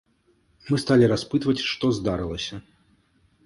Мы сталі распытваць, што здарылася.